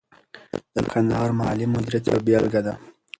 د کندهار مالي مدیریت یوه بیلګه ده.